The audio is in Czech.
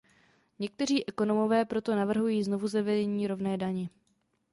Někteří ekonomové proto navrhují znovuzavedení rovné daně.